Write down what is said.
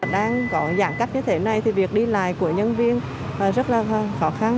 đang có giãn cách như thế này thì việc đi lại của nhân viên rất là khó khăn